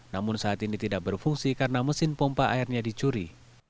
namun saat ini tidak berfungsi karena mesin pompa airnya dicuri